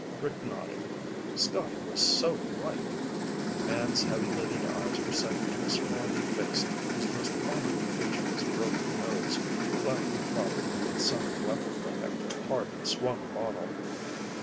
Rick nodded. Scotty was so right! The man's heavy lidded eyes were set in a swarthy face whose most prominent feature was a broken nose, flattened probably with some weapon like a hard swung bottle.